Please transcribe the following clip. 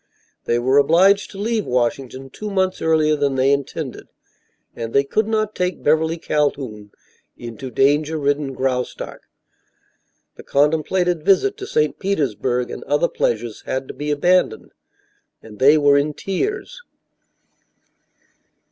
They were obliged to leave Washington two months earlier than they intended, and they could not take Beverly Calhoun into danger ridden Graustark. The contemplated visit to St. Petersburg and other pleasures had to be abandoned, and they were in tears.